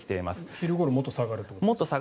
昼ごろ、もっと下がるということですか？